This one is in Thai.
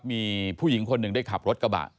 มีผู้หญิงคนหนึ่งได้ขับรถกระบะ